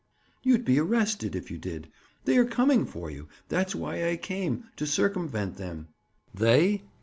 "You'd be arrested, if you did. They are coming for you. That's why I came—to circumvent them!" "They?"